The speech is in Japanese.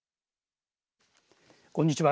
こんにちは。